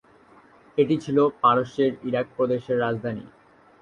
এটি ছিল পারস্যের ইরাক প্রদেশের রাজধানী।